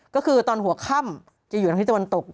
ก็คือตอนหัวค่ำจะอยู่ทางที่ตะวันตก